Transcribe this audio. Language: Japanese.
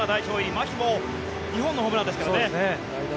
牧も２本のホームランでしたからね。